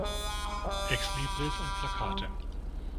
Exlibris und Plakate.